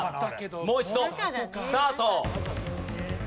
もう一度スタート！